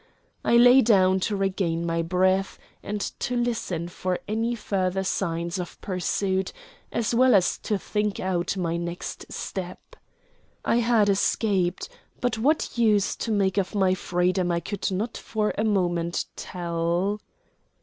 I lay down to regain my breath and to listen for any further signs of pursuit, as well as to think out my next step. I had escaped, but what use to make of my freedom I could not for a moment tell.